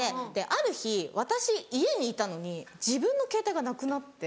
ある日私家にいたのに自分のケータイがなくなって。